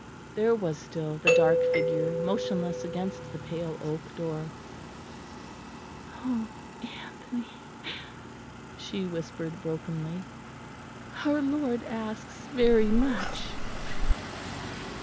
There was still the dark figure motionless against the pale oak door. "Oh, Anthony!" she whispered brokenly, "our Lord asks very much."